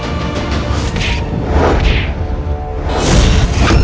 ya allah bagaimana ini